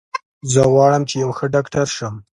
زه غواړم چې یو ښه ډاکټر شم